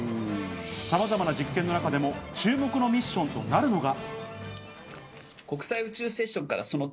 さまざまな実験の中でも注目のミッションとなるのが。